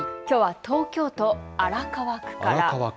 きょうは東京都荒川区から。